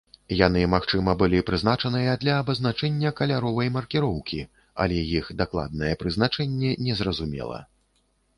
Яны, магчыма, былі прызначаныя для абазначэння каляровай маркіроўкі, але іх дакладнае прызначэнне незразумела.